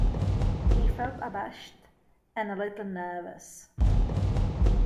He felt abashed and a little nervous.